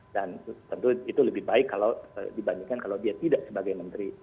dan tentu itu lebih baik kalau dibandingkan kalau dia tidak sebagai menteri